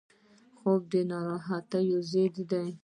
خوب د ناراحتیو ضد دی